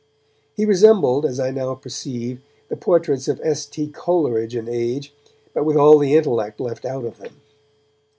He resembled, as I now perceive, the portraits of S. T. Coleridge in age, but with all the intellect left out of them.